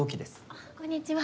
あっこんにちは。